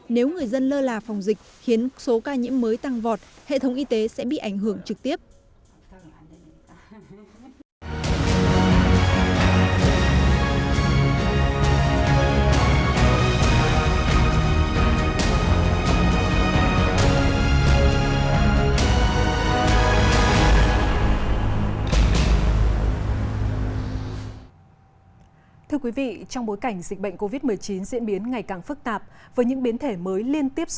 nếu người dân lơ là phòng dịch khiến số ca nhiễm mới tăng vọt hệ thống y tế sẽ bị ảnh hưởng trực tiếp